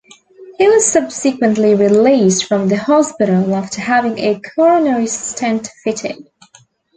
He was subsequently released from the hospital after having a coronary stent fitted.